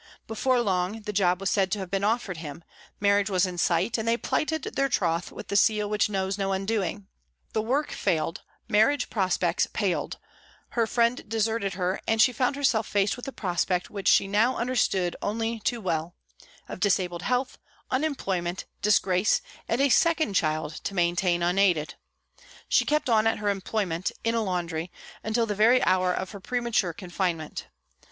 Before long the job was said to have been offered him, marriage was in sight, and they plighted their troth with the seal which knows no undoing. The work failed, marriage prospects paled, her friend deserted her and she found herself faced with the prospect which she now understood only too well, of disabled health, unem ployment, disgrace, and a second child to maintain unaided. She kept on at her employment in a laundry until the very hour of her premature confinement.